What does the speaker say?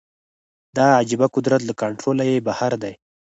دا عجیبه قدرت له کنټروله یې بهر دی